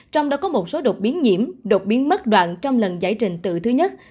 trong đó có một số đột biến nhiễm độc biến mất đoạn trong lần giải trình tự thứ nhất